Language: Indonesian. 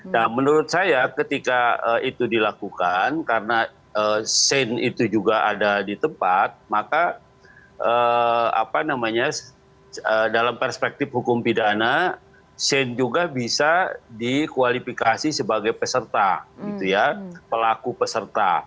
nah menurut saya ketika itu dilakukan karena sin itu juga ada di tempat maka dalam perspektif hukum pidana sin juga bisa dikualifikasi sebagai peserta